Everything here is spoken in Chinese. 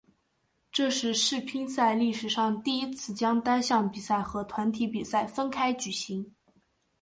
这是世乒赛历史上第一次将单项比赛和团体比赛分开举行。